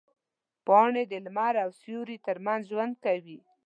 پاڼې د لمر او سیوري ترمنځ ژوند کوي.